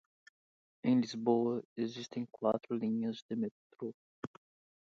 Em Lisboa, existem quatro linhas de metro.